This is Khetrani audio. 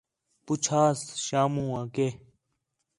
پُچھاس شامو آ کہ